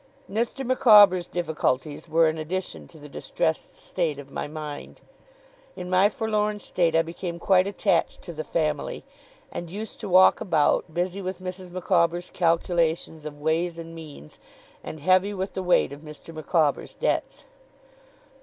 Mr. Micawber's difficulties were an addition to the distressed state of my mind. In my forlorn state I became quite attached to the family, and used to walk about, busy with Mrs. Micawber's calculations of ways and means, and heavy with the weight of Mr. Micawber's debts.